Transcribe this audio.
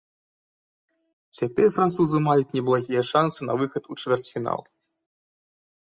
Цяпер французы маюць неблагія шансы на выхад у чвэрцьфінал.